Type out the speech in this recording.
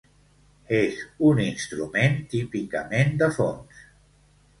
És un instrument típicament de fons.